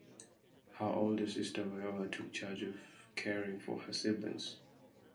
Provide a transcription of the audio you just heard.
Her older sister Viola took charge of caring for her siblings.